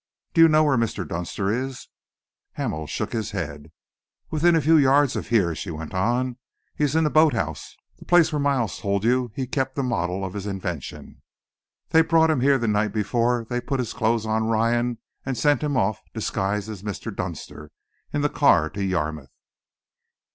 Do you know where Mr. Dunster is?" Hamel shook his head. "Within a few yards of here," she went on. "He is in the boat house, the place where Miles told you he kept a model of his invention. They brought him here the night before they put his clothes on Ryan and sent him off disguised as Mr. Dunster, in the car to Yarmouth."